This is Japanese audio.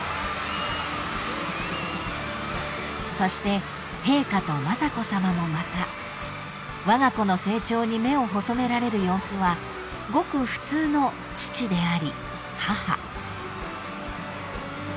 ［そして陛下と雅子さまもまたわが子の成長に目を細められる様子はごく普通の父であり母］